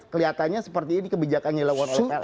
ternyata seperti ini kebijakan yang dilakukan oleh pln